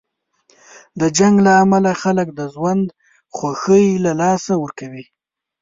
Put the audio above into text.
د جنګ له امله خلک د ژوند خوښۍ له لاسه ورکوي.